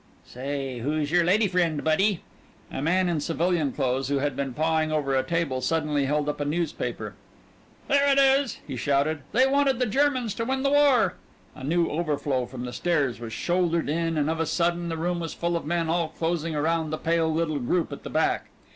"Say, who's your lady friend, buddy?" A man in civilian clothes, who had been pawing over a table, suddenly held up a newspaper. "Here it is!" he shouted, "They wanted the Germans to win the war!" A new overflow from the stairs was shouldered in and of a sudden the room was full of men all closing around the pale little group at the back.